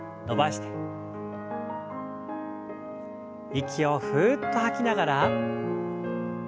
息をふっと吐きながら。